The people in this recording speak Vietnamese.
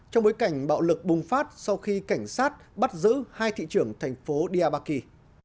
trong bối cảnh bạo lực bùng phát sau khi cảnh sát bắt giữ hai thị trưởng thành phố diabaki